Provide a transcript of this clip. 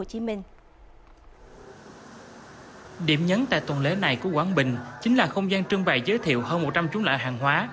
điểm nhấn tại tuần lễ này của quảng bình chính là không gian trưng bày giới thiệu hơn một trăm linh chú lợi hàng hóa